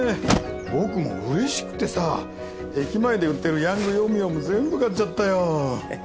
僕もうれしくてさ駅前で売ってる『ヤングヨムヨム』全部買っちゃったよ。